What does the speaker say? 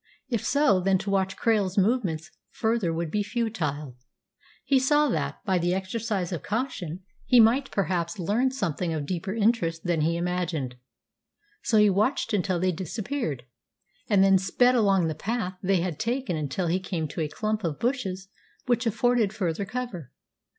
If so, then to watch Krail's movements further would be futile. He saw that, by the exercise of caution, he might perhaps learn something of deeper interest than he imagined. So he watched until they disappeared, and then sped along the path they had taken until he came to a clump of bushes which afforded further cover.